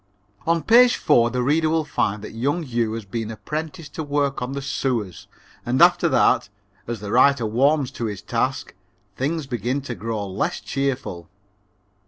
On page four the reader will find that young Hugh has been apprenticed to work on the sewers and after that, as the writer warms to his task, things begin to grow less cheerful.